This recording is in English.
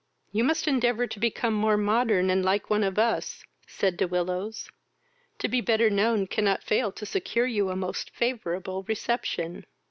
"You must endeavour to become more modern, and like one of us, (said De Willows.) To be better known cannot fail to secure you a most favourable reception."